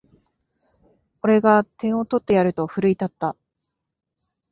俺が点を取ってやると奮い立った